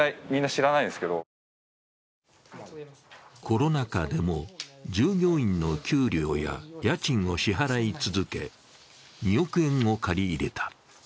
コロナ禍でも従業員の給料や家賃を支払い続け２億円を借り入れた。